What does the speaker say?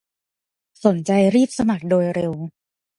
สนใจรีบสมัครโดยเร็ว